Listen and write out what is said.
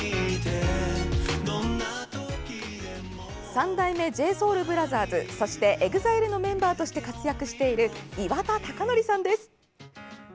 三代目ＪＳＯＵＬＢＲＯＴＨＥＲＳそしてＥＸＩＬＥのメンバーとして活躍している岩田剛典さんです。